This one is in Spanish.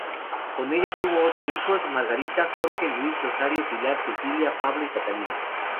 Con ella tuvo ocho hijos: Margarita, Jorge, Luis, Rosario, Pilar, Cecilia, Pablo y Catalina.